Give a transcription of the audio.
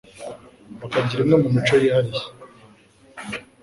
bakagira imwe mu mico yihariye